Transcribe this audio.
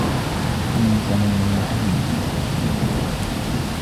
في سموم وحميم